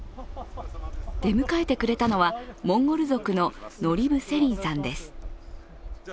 出迎えてくれたのはモンゴル族のノリブ・セリンさんです。